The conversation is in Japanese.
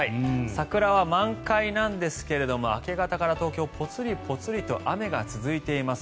桜は満開なんですけれども明け方から東京ぽつりぽつりと雨が続いています。